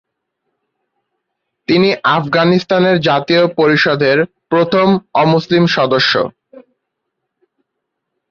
তিনি আফগানিস্তানের জাতীয় পরিষদের প্রথম অমুসলিম সদস্য।